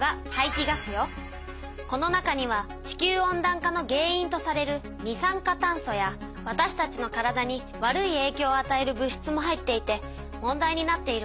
この中には地球温だん化の原いんとされる二酸化炭素やわたしたちの体に悪いえいきょうをあたえる物しつも入っていて問題になっているわ。